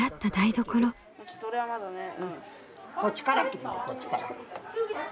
こっちから切るのこっちから。